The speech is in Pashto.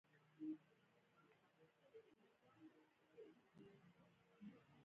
مصنوعي ځیرکتیا د انسان هوساینه پیاوړې کوي.